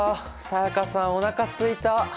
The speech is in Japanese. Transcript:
才加さんおなかすいた！